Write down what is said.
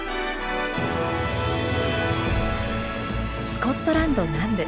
スコットランド南部。